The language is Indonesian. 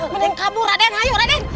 mending kabur raden ayo raden